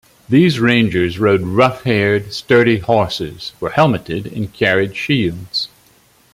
These Rangers rode rough-haired, sturdy horses, were helmeted and carried shields.